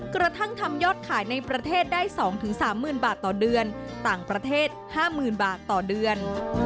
กระทั่งทำยอดขายในประเทศได้๒๓๐๐๐บาทต่อเดือนต่างประเทศ๕๐๐๐บาทต่อเดือน